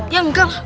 ya enggak lah